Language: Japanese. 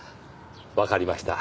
わかりました。